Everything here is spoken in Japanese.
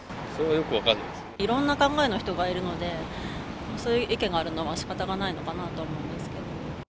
いろんな考えの人がいるので、そういう意見があるのはしかたがないのかなと思いますけど。